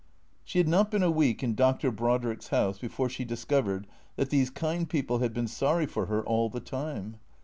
She had not been a week in Dr. Brodrick's house before she discovered that these kind people had been sorry for her all the time.